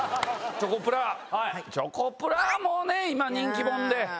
チョコプラはもう今人気者で。